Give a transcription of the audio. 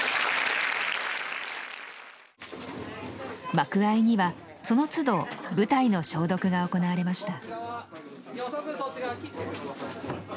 幕間にはそのつど舞台の消毒が行われました。